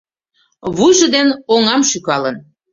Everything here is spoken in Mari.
Вуйжо ден оҥам шӱкалын